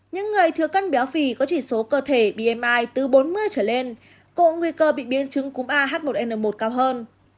những người thừa cân béo phì có chỉ số cơ thể bmi từ bốn mươi trở lên cũng nguy cơ bị biến chứng cúm ah một n một cao hơn